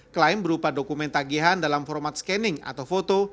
klaim berupa dokumen tagihan dalam format scanning atau foto